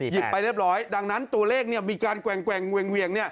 หยิบไปเรียบร้อยดังนั้นตัวเลขเนี่ยมีการแกว่งเนี่ย